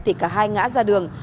thì cả hai ngã ra đường